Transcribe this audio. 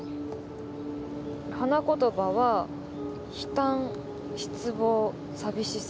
花言葉は「悲嘆」「失望」「寂しさ」